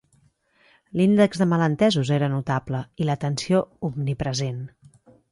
L'índex de malentesos era notable i la tensió omnipresent.